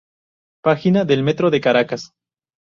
Página del Metro de Caracas